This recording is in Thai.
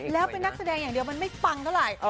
แล้วเป็นนักแสดงอย่างเดียวมันไม่ปังเท่าไหร่